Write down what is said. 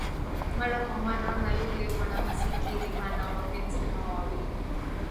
mara kwa mara na yule mwanamziki rihana wapenzi hawa wawili